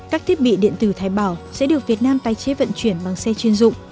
các thiết bị điện tử thái bào sẽ được việt nam tái chế vận chuyển bằng xe chuyên dụng